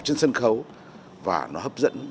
trên sân khấu và nó hấp dẫn